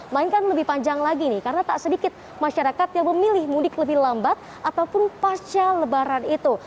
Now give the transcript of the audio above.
melainkan lebih panjang lagi nih karena tak sedikit masyarakat yang memilih mudik lebih lambat ataupun pasca lebaran itu